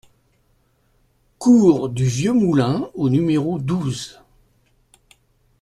Cours du Vieux Moulin au numéro douze